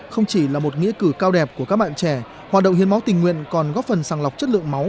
không chỉ là một nghĩa cử cao đẹp của các bạn trẻ hoạt động hiến máu tình nguyện còn góp phần sàng lọc chất lượng máu